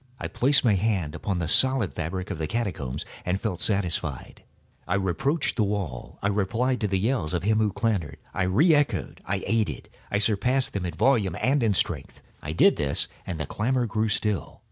I placed my hand upon the solid fabric of the catacombs, and felt satisfied. I reapproached the wall. I replied to the yells of him who clamored. I re echoed—I aided—I surpassed them in volume and in strength. I did this, and the clamorer grew still.